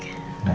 gak enakan ya